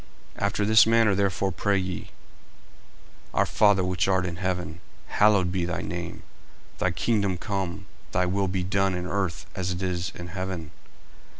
40:006:009 After this manner therefore pray ye: Our Father which art in heaven, Hallowed be thy name. 40:006:010 Thy kingdom come, Thy will be done in earth, as it is in heaven.